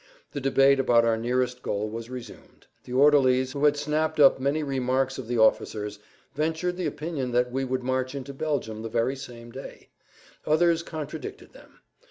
The debate about our nearest goal was resumed. The orderlies, who had snapped up many remarks of the officers, ventured the opinion that we would march into Belgium the very same day; others contradicted them.